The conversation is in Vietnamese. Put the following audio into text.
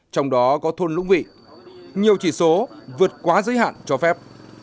trong đó có thôn lũng vị nhiều chỉ số vượt quá giới hạn cho phép